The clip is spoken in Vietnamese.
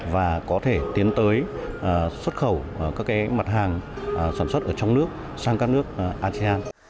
và có thể tiến tới xuất khẩu các mặt hàng sản xuất ở trong nước sang các nước asean